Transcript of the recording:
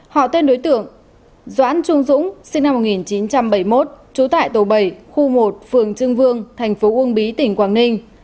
họ tên đối tượng doãn trung dũng sinh năm một nghìn chín trăm bảy mươi một trú tại tổ bảy khu một phường trương vương thành phố uông bí tỉnh quảng ninh